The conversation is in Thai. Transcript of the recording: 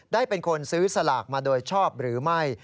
ได้เป็นคนซื้อสลากมาโดยชอบหรือไม่